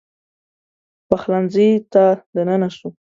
پخلنځي ته دننه سو